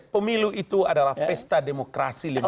pemilu itu adalah pesta demokrasi lima